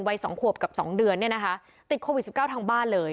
วัยสองขวบกับสองเดือนเนี่ยนะคะติดโควิดสิบเก้าทางบ้านเลย